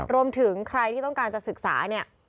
รวมถึงใครที่ต้องการจะศึกษาเนี่ย